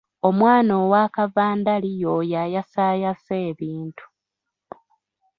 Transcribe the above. Omwana owa kavandali y'oyo ayasaayasa ebintu.